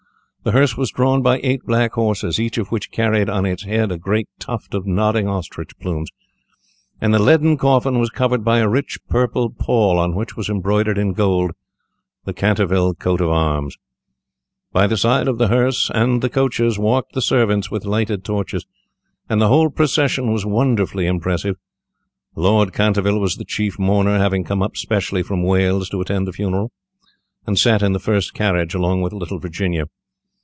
The hearse was drawn by eight black horses, each of which carried on its head a great tuft of nodding ostrich plumes, and the leaden coffin was covered by a rich purple pall, on which was embroidered in gold the Canterville coat of arms. By the side of the hearse and the coaches walked the servants with lighted torches, and the whole procession was wonderfully impressive. Lord Canterville was the chief mourner, having come up specially from Wales to attend the funeral, and sat in the first carriage along with little Virginia.